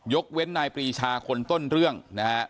เว้นนายปรีชาคนต้นเรื่องนะฮะ